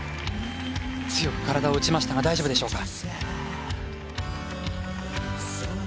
強く体を打ちましたが大丈夫でしょうか。